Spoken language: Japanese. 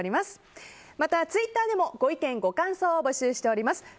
また、ツイッターでもご意見、ご感想を募集しています。